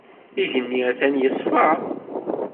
Igenni atan yeṣfa.